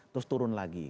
terus turun lagi